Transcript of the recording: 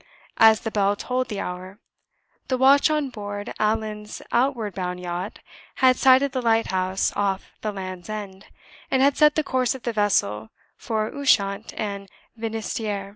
As the bell tolled the hour, the watch on board Allan's outward bound yacht had sighted the light house off the Land's End, and had set the course of the vessel for Ushant and Finisterre.